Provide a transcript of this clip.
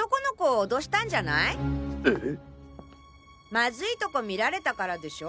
マズいとこ見られたからでしょ？